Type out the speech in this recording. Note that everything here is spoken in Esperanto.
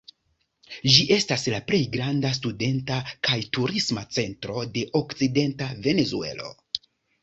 Ĝi estas la plej granda studenta kaj turisma centro de okcidenta Venezuelo.